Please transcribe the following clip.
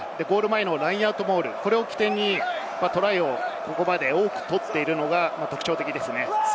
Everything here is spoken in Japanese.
ラインアウトモールを起点にトライをここまで多く取っているのが特徴的です。